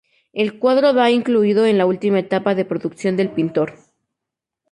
El cuadro de ha incluido en la última etapa de producción del pintor.